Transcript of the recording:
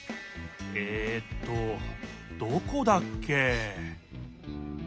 えっとどこだっけ？